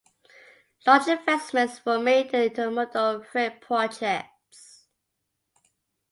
Large investments were made in intermodal freight projects.